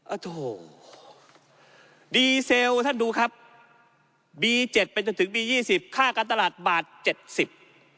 โอ้โหดีเซลท่านดูครับบีเจ็ดไปจนถึงปียี่สิบค่าการตลาดบาทเจ็ดสิบ